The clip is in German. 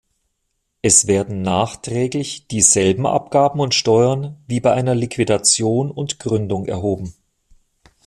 Es werden nachträglich dieselben Abgaben und Steuern wie bei einer Liquidation und Gründung erhoben.